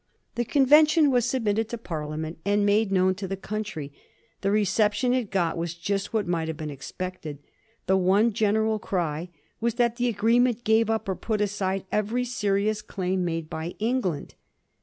The convention was submitted to Parliament and made known to the country. The reception it got was just what might have been expected. The one general cry was that the agreement gave up or put aside every serious claim made by England.